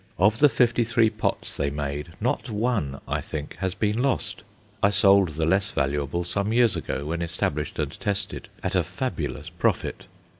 Of the fifty three pots they made, not one, I think, has been lost. I sold the less valuable some years ago, when established and tested, at a fabulous profit.